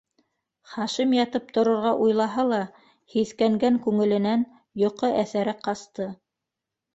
- Хашим ятып торорға уйлаһа ла, һиҫкәнгән күңеленән йоҡо әҫәре ҡасты.